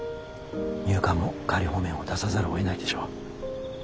入管も仮放免を出さざるをえないでしょう。